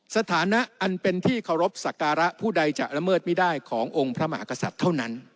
สถานะอันเป็นที่เคารพสักการะผู้ใดจะละเมิดไม่ได้ขององค์พระมหากษัตริย์เท่านั้น